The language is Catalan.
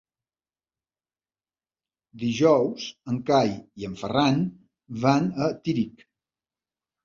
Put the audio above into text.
Dijous en Cai i en Ferran van a Tírig.